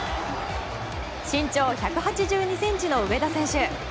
身長１８２ｃｍの上田選手。